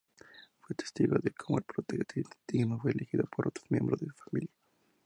Fue testigo de cómo el Protestantismo fue elegido por otros miembros de su familia.